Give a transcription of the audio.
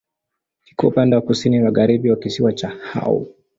Kiko upande wa kusini-magharibi wa kisiwa cha Hao.